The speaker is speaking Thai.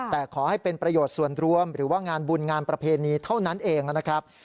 แต่ขอให้เป็นประโยชน์ส่วนรวมหรือว่างานบุญงานประเพณีเท่านั้นเองนะครับ